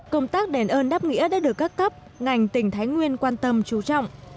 công tác đền ơn đáp nghĩa đã được các cấp ngành tỉnh thái nguyên quan tâm trú trọng